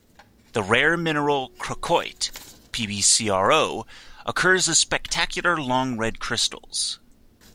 The rare mineral crocoite, PbCrO, occurs as spectacular long red crystals.